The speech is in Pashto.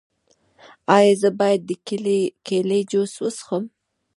ایا زه باید د کیلي جوس وڅښم؟